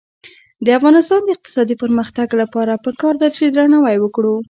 د افغانستان د اقتصادي پرمختګ لپاره پکار ده چې درناوی وکړو.